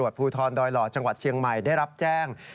จังหวัดเชียงใหม่ได้รับแจ้ง